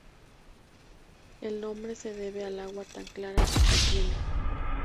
El nombre se debe al agua tan clara que contiene.